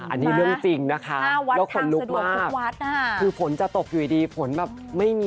อันนี้เรื่องจริงนะคะ